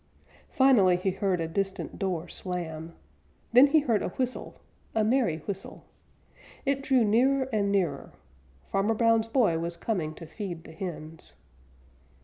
Finally he heard a distant door slam. Then he heard a whistle, a merry whistle. It drew nearer and nearer; Farmer Brown's boy was coming to feed the hens.